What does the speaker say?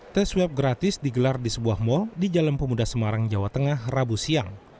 tes swab gratis digelar di sebuah mal di jalan pemuda semarang jawa tengah rabu siang